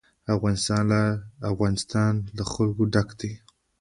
افغانستان له د افغانستان جلکو ډک دی.